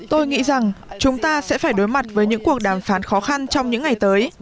tôi nghĩ rằng chúng ta sẽ phải đối mặt với những cuộc đàm phán khó khăn trong những ngày tới